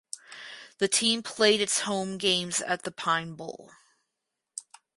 The team played its home games at the Pine Bowl.